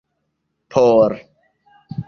por